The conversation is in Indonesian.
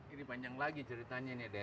ini panjang lagi ceritanya ini des